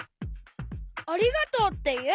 「ありがとう」っていう！